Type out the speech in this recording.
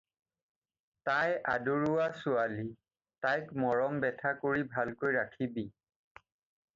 তাই আদৰুৱা ছোৱালী, তাইক মৰম বেথা কৰি ভালকৈ ৰাখিবি।